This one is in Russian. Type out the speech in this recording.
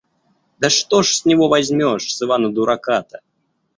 Да что ж с него возьмёшь, с Ивана Дурака-то?